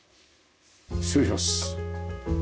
失礼します。